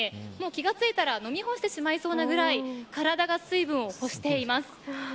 気が付いたら飲み干してしまいそうなくらい体が水分を欲しています。